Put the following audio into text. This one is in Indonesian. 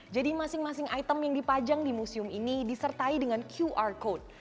jadi masing masing item yang dipajang di musim ini disertai dengan qr code